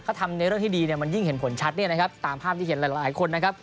ถ้าทำในเรื่องที่ดีเนี่ยมันยิ่งเห็นผลชัดเนี่ยนะครับตามภาพที่เห็นหลายหลายคนนะครับ